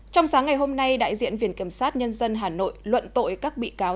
trong sáng ngày hôm nay đại diện viện kiểm sát nhân dân hà nội luận tội các bị cáo